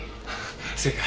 正解。